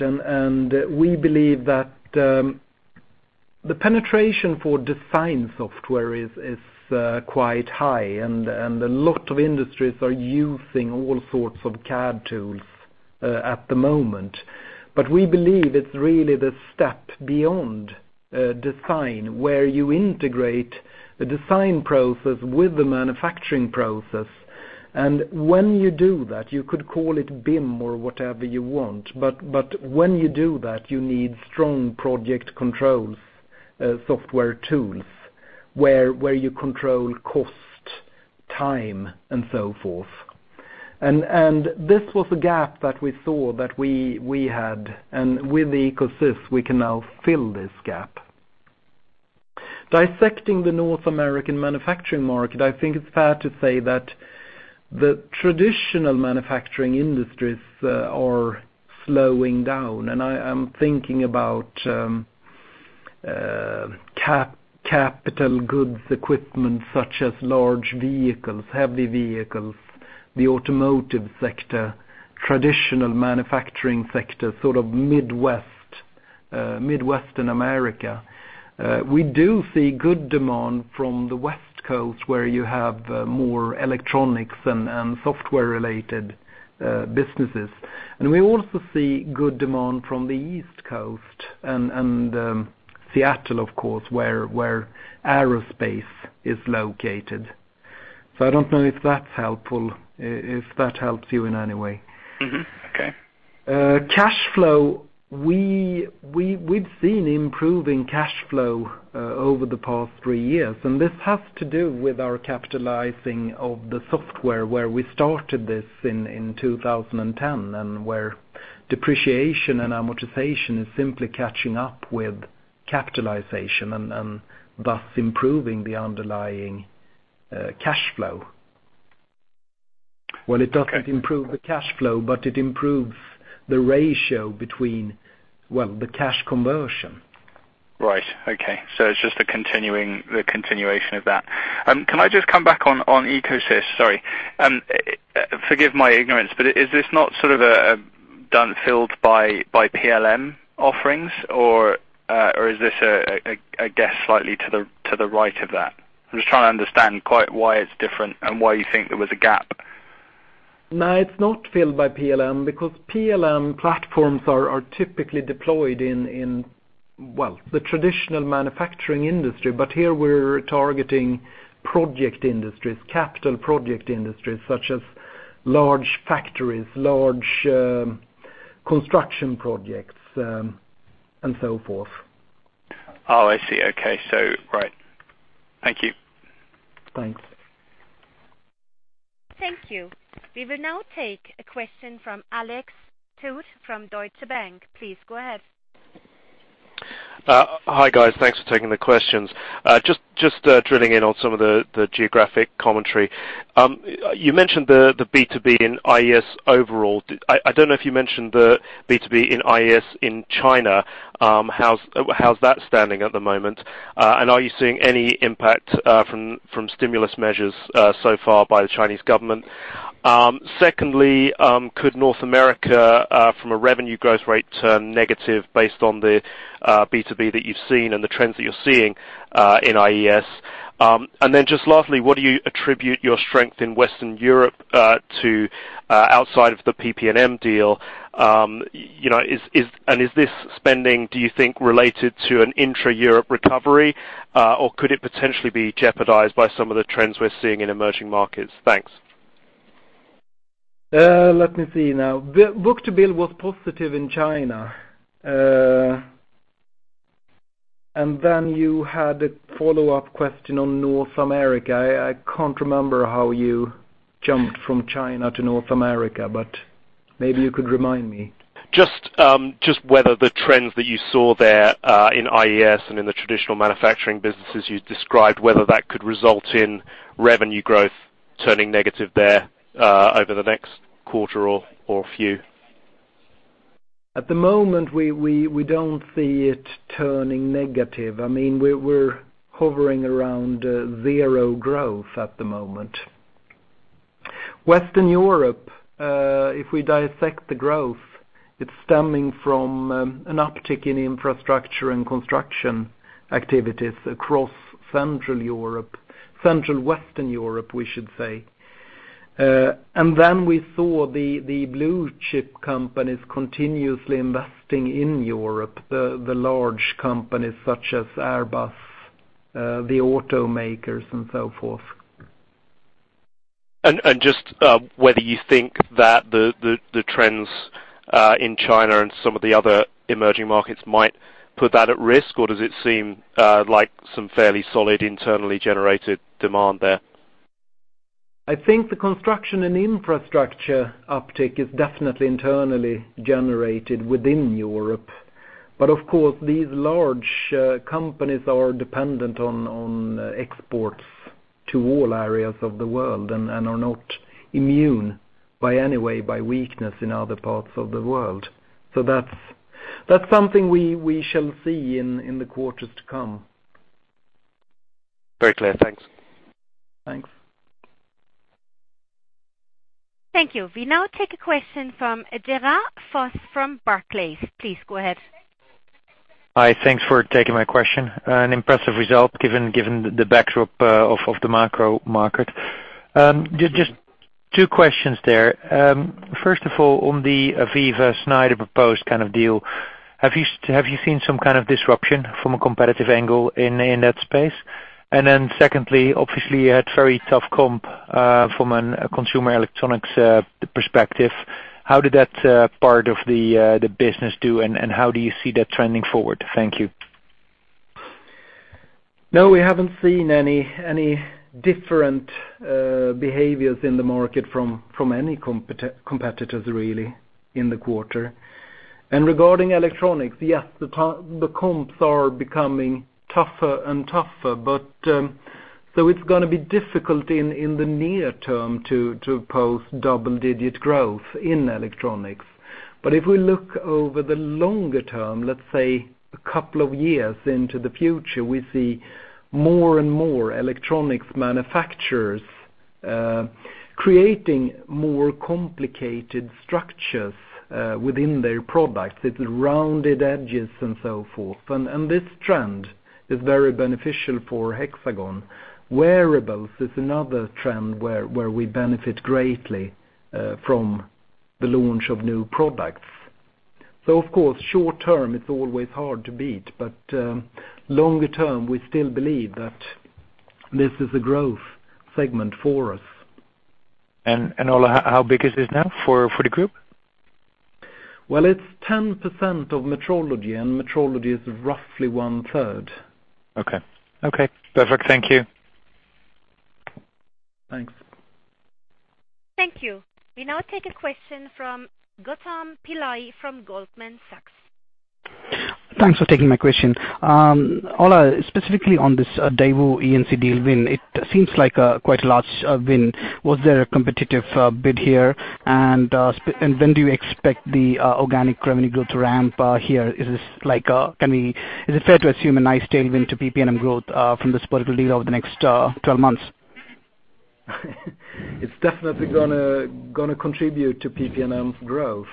we believe that the penetration for design software is quite high, a lot of industries are using all sorts of CAD tools at the moment. We believe it's really the step beyond design, where you integrate the design process with the manufacturing process. When you do that, you could call it BIM or whatever you want. When you do that, you need strong project controls, software tools, where you control cost, time, and so forth. This was a gap that we saw that we had, with the EcoSys, we can now fill this gap. Dissecting the North American manufacturing market, I think it's fair to say that the traditional manufacturing industries are slowing down, I'm thinking about capital goods equipment such as large vehicles, heavy vehicles, the automotive sector, traditional manufacturing sector, sort of Midwestern America. We do see good demand from the West Coast, where you have more electronics and software-related businesses. We also see good demand from the East Coast and Seattle, of course, where aerospace is located. I don't know if that helps you in any way. Mm-hmm. Okay. Cash flow, we've seen improving cash flow over the past three years. This has to do with our capitalizing of the software where we started this in 2010 and where depreciation and amortization is simply catching up with capitalization and thus improving the underlying cash flow. Well, it doesn't improve the cash flow, it improves the ratio between, well, the cash conversion. Right. Okay. It's just the continuation of that. Can I just come back on EcoSys? Sorry. Forgive my ignorance, is this not sort of filled by PLM offerings? Is this a guess slightly to the right of that? I'm just trying to understand quite why it's different and why you think there was a gap. No, it's not filled by PLM, because PLM platforms are typically deployed in, well, the traditional manufacturing industry. Here we're targeting project industries, capital project industries, such as large factories, large construction projects, and so forth. Oh, I see. Okay. Right. Thank you. Thanks. Thank you. We will now take a question from Alex Tout from Deutsche Bank. Please go ahead. Hi, guys. Thanks for taking the questions. Just drilling in on some of the geographic commentary. You mentioned the B2B and IES overall. I don't know if you mentioned the B2B and IES in China. How's that standing at the moment? Are you seeing any impact from stimulus measures so far by the Chinese government? Secondly, could North America, from a revenue growth rate, turn negative based on the B2B that you've seen and the trends that you're seeing in IES? Just lastly, what do you attribute your strength in Western Europe to outside of the PP&M deal? Is this spending, do you think, related to an intra-Europe recovery? Could it potentially be jeopardized by some of the trends we're seeing in emerging markets? Thanks. Let me see now. Book-to-bill was positive in China. You had a follow-up question on North America. I can't remember how you jumped from China to North America, but maybe you could remind me. Just whether the trends that you saw there, in IES and in the traditional manufacturing businesses you described, whether that could result in revenue growth turning negative there over the next quarter or a few. At the moment, we don't see it turning negative. We're hovering around zero growth at the moment. Western Europe, if we dissect the growth, it's stemming from an uptick in infrastructure and construction activities across Central Europe, Central Western Europe, we should say. We saw the blue-chip companies continuously investing in Europe, the large companies such as Airbus, the automakers, and so forth. Just whether you think that the trends in China and some of the other emerging markets might put that at risk, or does it seem like some fairly solid internally generated demand there? I think the construction and infrastructure uptick is definitely internally generated within Europe. Of course, these large companies are dependent on exports to all areas of the world and are not immune by any way by weakness in other parts of the world. That's something we shall see in the quarters to come. Very clear. Thanks. Thanks. Thank you. We now take a question from Gerard Foss from Barclays. Please go ahead. Hi, thanks for taking my question. An impressive result given the backdrop of the macro market. Just two questions there. First of all, on the AVEVA-Schneider proposed kind of deal, have you seen some kind of disruption from a competitive angle in that space? Secondly, obviously, you had very tough comp from a consumer electronics perspective. How did that part of the business do, and how do you see that trending forward? Thank you. No, we haven't seen any different behaviors in the market from any competitors, really, in the quarter. Regarding electronics, yes, the comps are becoming tougher and tougher, so it's going to be difficult in the near term to post double-digit growth in electronics. If we look over the longer term, let's say a couple of years into the future, we see more and more electronics manufacturers creating more complicated structures within their products, with rounded edges and so forth. This trend is very beneficial for Hexagon. Wearables is another trend where we benefit greatly from the launch of new products. Of course, short term, it's always hard to beat, but longer term, we still believe that this is a growth segment for us. Ola, how big is this now for the group? Well, it's 10% of metrology, and metrology is roughly one-third. Okay. Perfect. Thank you. Thanks. Thank you. We now take a question from Gautam Pillai from Goldman Sachs. Thanks for taking my question. Ola, specifically on this Daewoo E&C deal win, it seems like quite a large win. Was there a competitive bid here? When do you expect the organic revenue growth to ramp here? Is it fair to assume a nice tailwind to PP&M growth from this particular deal over the next 12 months? It's definitely going to contribute to PP&M's growth.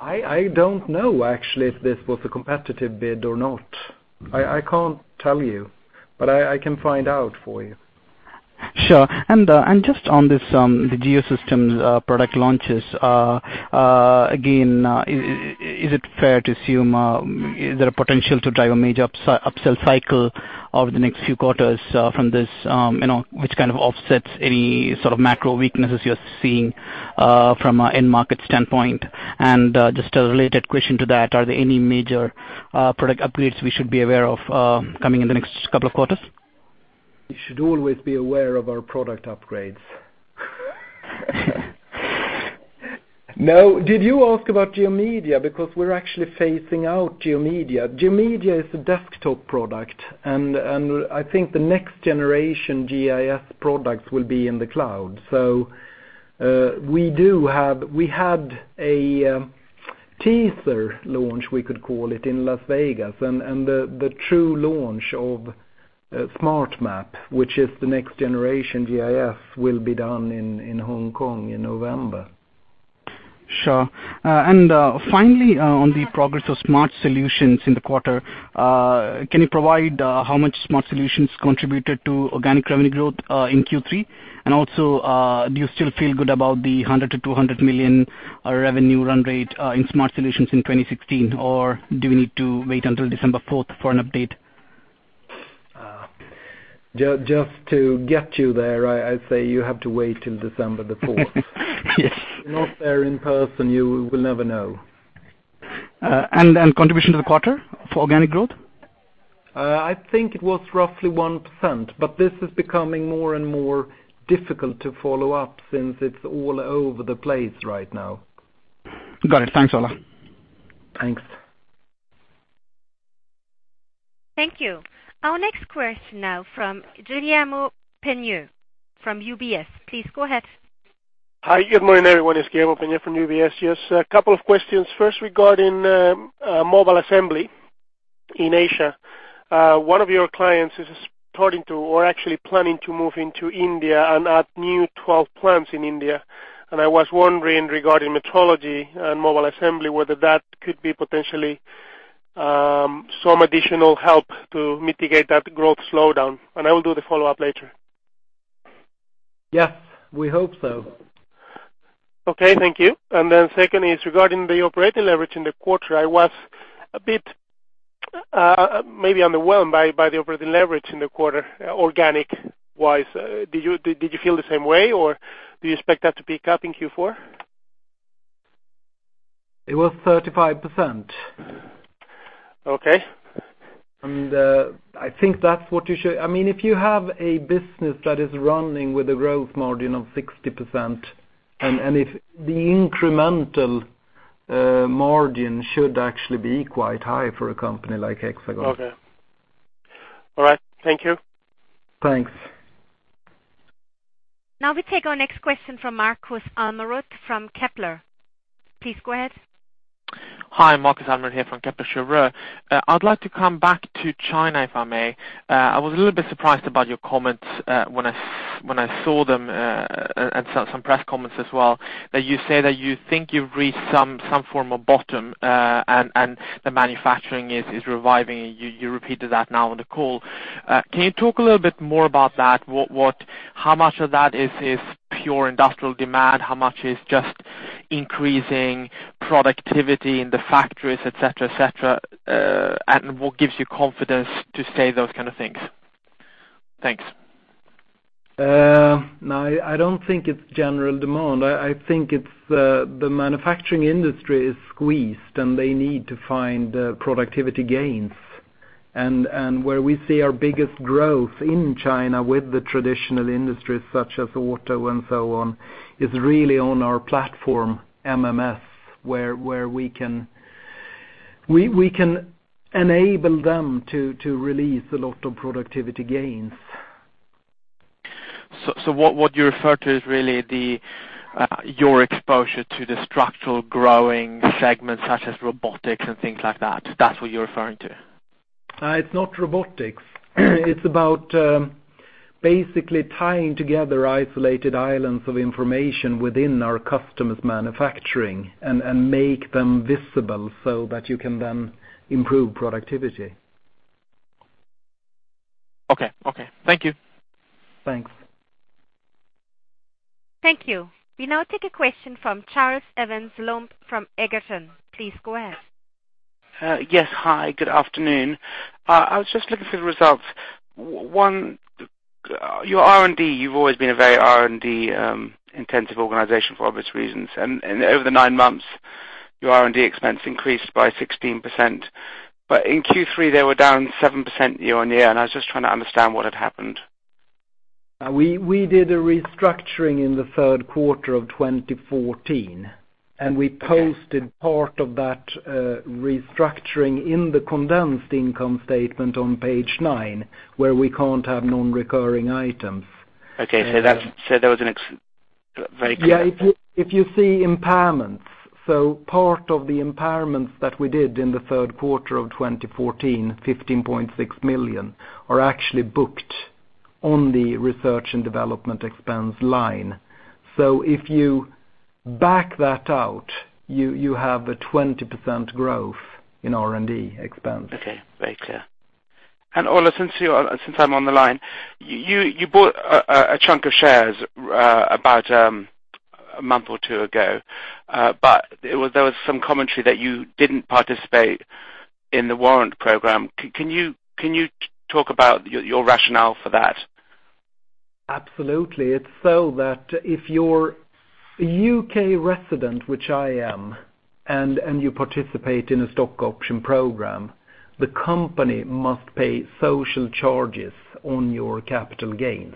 I don't know actually if this was a competitive bid or not. I can't tell you, but I can find out for you. Sure. Just on this, the Geosystems product launches. Again, is it fair to assume, is there a potential to drive a major upsell cycle over the next few quarters from this which kind of offsets any sort of macro weaknesses you're seeing from an end market standpoint? Just a related question to that, are there any major product upgrades we should be aware of coming in the next couple of quarters? You should always be aware of our product upgrades. No. Did you ask about GeoMedia? We're actually phasing out GeoMedia. GeoMedia is a desktop product. I think the next generation GIS products will be in the cloud. We had a teaser launch, we could call it, in Las Vegas. The true launch of Smart M.App, which is the next generation GIS, will be done in Hong Kong in November. Sure. Finally, on the progress of Smart Solutions in the quarter, can you provide how much Smart Solutions contributed to organic revenue growth in Q3? Also, do you still feel good about the 100 million-200 million revenue run rate in Smart Solutions in 2016? Do we need to wait until December 4th for an update? Just to get you there, I say you have to wait till December the 4th. Yes. If you're not there in person, you will never know. Contribution to the quarter for organic growth? I think it was roughly 1%, but this is becoming more and more difficult to follow up since it's all over the place right now. Got it. Thanks, Ola. Thanks. Thank you. Our next question now from Guillermo Peigneux-Lojo from UBS. Please go ahead. Hi, good morning everyone. It's Guillermo Peigneux-Lojo from UBS. Yes, a couple of questions. First, regarding mobile assembly in Asia. One of your clients is starting to, or actually planning to move into India and add new 12 plants in India. I was wondering regarding metrology and mobile assembly, whether that could be potentially some additional help to mitigate that growth slowdown. I will do the follow-up later. Yeah, we hope so. Okay, thank you. Second is regarding the operating leverage in the quarter. I was a bit maybe underwhelmed by the operating leverage in the quarter, organic-wise. Did you feel the same way, or do you expect that to pick up in Q4? It was 35%. Okay. I think that's what you should if you have a business that is running with a growth margin of 60%, and if the incremental margin should actually be quite high for a company like Hexagon. Okay. All right. Thank you. Thanks. Now we take our next question from Markus Almerud from Kepler. Please go ahead. Hi, Markus Almerud here from Kepler Cheuvreux. I'd like to come back to China, if I may. I was a little bit surprised about your comments when I saw them, some press comments as well, that you say that you think you've reached some form of bottom. The manufacturing is reviving. You repeated that now on the call. Can you talk a little bit more about that? How much of that is pure industrial demand? How much is just increasing productivity in the factories, et cetera, what gives you confidence to say those kind of things? Thanks. I don't think it's general demand. I think it's the manufacturing industry is squeezed. They need to find productivity gains. Where we see our biggest growth in China with the traditional industries such as auto and so on, is really on our platform, MMS, where we can enable them to release a lot of productivity gains. What you refer to is really your exposure to the structural growing segments such as robotics and things like that. That's what you're referring to? It's not robotics. It's about basically tying together isolated islands of information within our customers' manufacturing, and make them visible so that you can then improve productivity. Okay. Thank you. Thanks. Thank you. We now take a question from Charles Evans Lombe from Egerton. Please go ahead. Yes. Hi, good afternoon. I was just looking through the results. One, your R&D, you've always been a very R&D intensive organization for obvious reasons. Over the nine months, your R&D expense increased by 16%. In Q3, they were down 7% year-on-year, and I was just trying to understand what had happened. We did a restructuring in the third quarter of 2014. We posted part of that restructuring in the condensed income statement on page nine, where we can't have non-recurring items. Okay. That was very clear. If you see impairments, part of the impairments that we did in the third quarter of 2014, 15.6 million, are actually booked on the research and development expense line. If you back that out, you have a 20% growth in R&D expense. Okay. Very clear. Ola, since I'm on the line, you bought a chunk of shares about a month or two ago. There was some commentary that you didn't participate in the warrant program. Can you talk about your rationale for that? Absolutely. It is so that if you are a U.K. resident, which I am, and you participate in a stock option program, the company must pay social charges on your capital gains.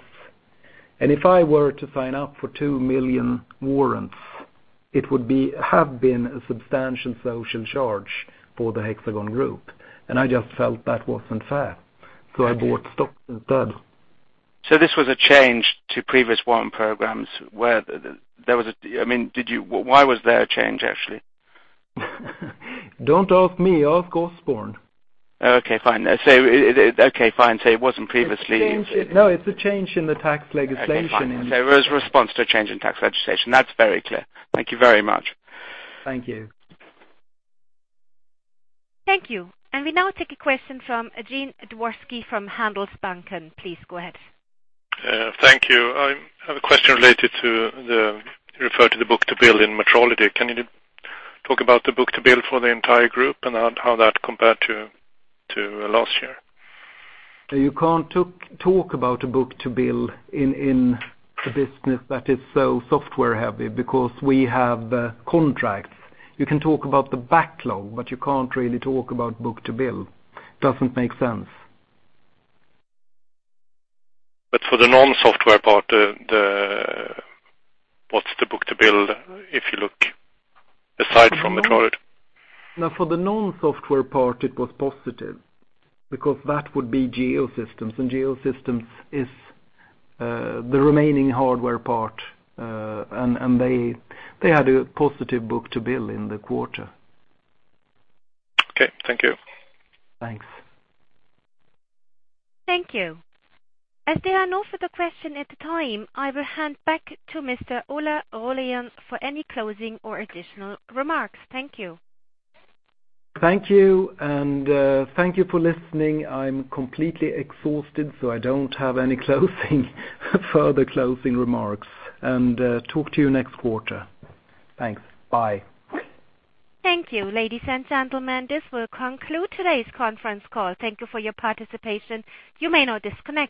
If I were to sign up for 2 million warrants, it would have been a substantial social charge for the Hexagon Group, I just felt that was not fair, I bought stock instead. This was a change to previous warrant programs. Why was there a change, actually? Do not ask me, ask Osborne. Okay, fine. It was not previously. It's a change in the tax legislation. Okay, fine. It was a response to a change in tax legislation. That's very clear. Thank you very much. Thank you. Thank you. We now take a question from Jan Dworski from Handelsbanken. Please go ahead. Thank you. I have a question related to the book-to-bill in Metrology. Can you talk about the book-to-bill for the entire group and how that compared to last year? You can't talk about a book-to-bill in a business that is so software-heavy because we have contracts. You can talk about the backlog, you can't really talk about book-to-bill. Doesn't make sense. For the non-software part, what's the book-to-bill if you look aside from Metrology? For the non-software part, it was positive because that would be Geosystems, and Geosystems is the remaining hardware part, and they had a positive book-to-bill in the quarter. Okay. Thank you. Thanks. Thank you. As there are no further question at the time, I will hand back to Mr. Ola Rollén for any closing or additional remarks. Thank you. Thank you. Thank you for listening. I'm completely exhausted. I don't have any further closing remarks. Talk to you next quarter. Thanks. Bye. Thank you. Ladies and gentlemen, this will conclude today's conference call. Thank you for your participation. You may now disconnect.